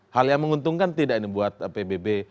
hal yang menguntungkan tidak ini buat pbb